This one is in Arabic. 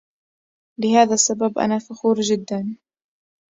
لهذا السبب أنا فخور جدًا